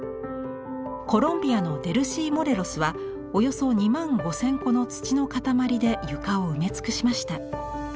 コロンビアのデルシー・モレロスはおよそ２万５，０００個の土の塊で床を埋め尽くしました。